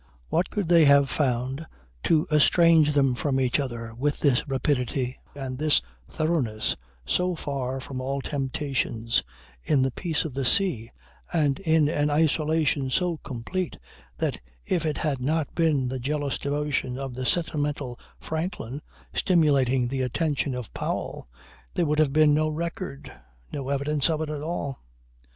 What could they have found to estrange them from each other with this rapidity and this thoroughness so far from all temptations, in the peace of the sea and in an isolation so complete that if it had not been the jealous devotion of the sentimental Franklin stimulating the attention of Powell, there would have been no record, no evidence of it at all.